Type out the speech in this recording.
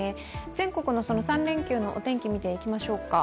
全国の３連休のお天気見ていきましょうか。